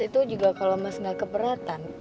itu juga kalau mas nggak keberatan